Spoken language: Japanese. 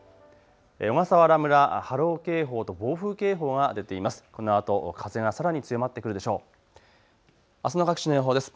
小笠原村、波浪警報と暴風警報が出ています。